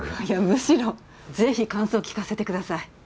いやむしろぜひ感想聞かせてください。